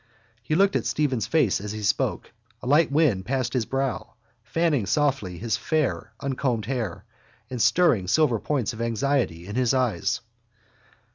He looked in Stephen's face as he spoke. A light wind passed his brow, fanning softly his fair uncombed hair and stirring silver points of anxiety in his eyes.